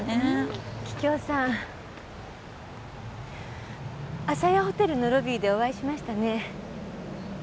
あさやホテルのロビーでお会いしましたね。